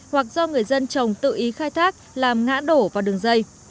hoặc do người dân trồng tự ý khai thác làm ngã đổ vào đường dây